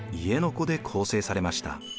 子で構成されました。